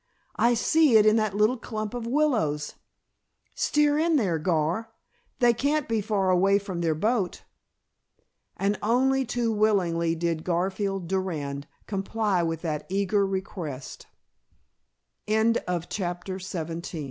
"I see it in that little clump of willows! Steer in there, Gar. They can't be far away from their boat." And only too willingly did Garfield Durand comply with that eager request. CHAPTER